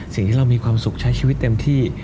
สิ่งที่เรามีความสุขใช้ชีวิตเต็มที่